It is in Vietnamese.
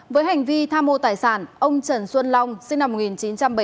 với hành vi tha mua tài sản ông trần xuân long sinh năm một nghìn chín trăm bảy mươi tám